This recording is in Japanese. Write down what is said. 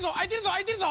あいてるぞ！